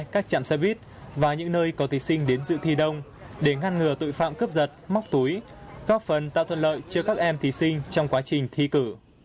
các chạm xe buýt và những nơi có thí sinh đến dự thi đông để ngăn ngừa tội phạm cướp giật móc túi góp phần tạo thuận lợi cho các em thí sinh trong quá trình thi cử